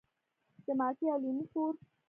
د مالټې او لیمو کور.